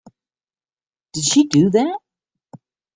Did she do that?